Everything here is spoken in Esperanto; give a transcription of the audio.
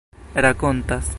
rakontas